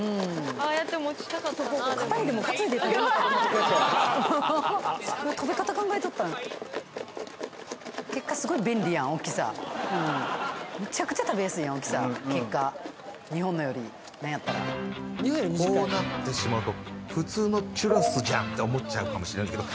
ああやって持ちたかったな肩にでもかついで食べ方考えとったん結果すごい便利やん大きさめちゃくちゃ食べやすいやん大きさ結果日本のよりこうなってしまうと普通のチュロスじゃんって思っちゃうかもしれないけど